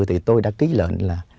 thì tôi đã ký lệnh